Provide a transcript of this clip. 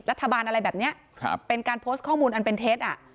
รัฐบาลอะไรแบบนี้ครับเป็นการโพสต์ข้อมูลอันเป็นเท็จอ่ะ